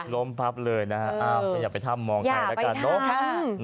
ล้มพับเลยนะฮะอย่าไปท่ามองใครละกันนะฮะ